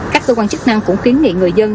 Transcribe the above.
các cơ quan chức năng cũng khuyến nghị người dân